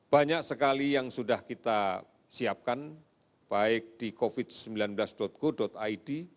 banyak sekali yang sudah kita siapkan baik di covid sembilan belas go id